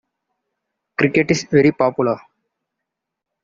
Cricket is very popular.